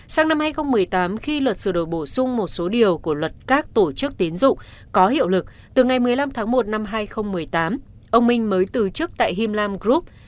sang năm hai nghìn một mươi tám khi luật sửa đổi bổ sung một số điều của luật các tổ chức tín dụng có hiệu lực từ ngày một mươi năm tháng một năm hai nghìn một mươi tám ông minh mới từ chức tại him lam group